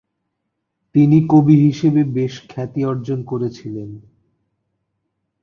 তিনি কবি হিসেবে বেশ খ্যাতি অর্জন করেছিলেন।